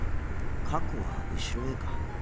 過去は後ろへか。